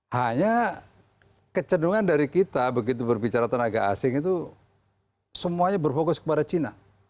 hanya kecendungan dari kita begitu berbicara tenaga asing itu semuanya berfokus kepada cina